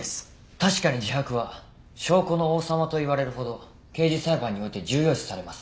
確かに自白は証拠の王様と言われるほど刑事裁判において重要視されます。